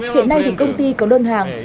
hiện nay thì công ty có đơn hàng